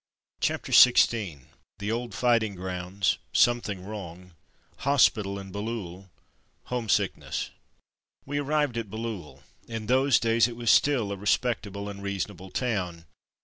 CHAPTER XVI THE OLD FIGHTING GROUNDS — SOMETHING WRONG — HOSPITAL IN BAILLEUL HOMESICKNESS We arrived at Bailleul. In those days it was Still a respectable and reasonable town.